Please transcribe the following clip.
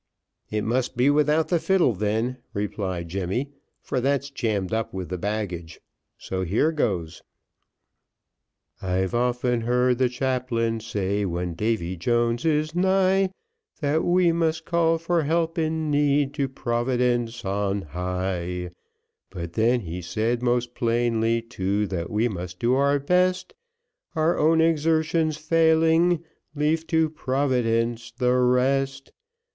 "It must be without the fiddle then," replied Jemmy, "for that's jammed up with the baggage so here goes," I've often heard the chaplain say, when Davey Jones is nigh, That we must call for help in need, to Providence on high, But then he said, most plainly too, that we must do our best, Our own exertions failing, leave to Providence the rest.